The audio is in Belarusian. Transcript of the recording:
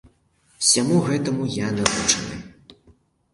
Усяму гэтаму я навучаны.